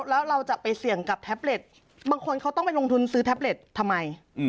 แล้วเราจะไปเสี่ยงกับแท็บเล็ตบางคนเขาต้องไปลงทุนซื้อแท็บเล็ตทำไม